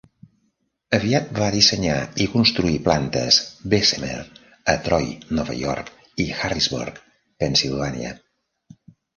Aviat va dissenyar i construir plantes Bessemer a Troy, Nova York, i Harrisburg, Pennsilvània.